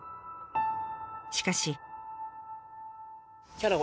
しかし。